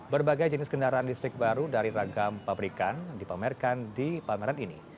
berbagai jenis kendaraan listrik baru dari ragam pabrikan dipamerkan di pameran ini